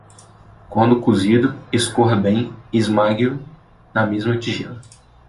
Quando cozido, escorra bem e esmague-o na mesma tigela.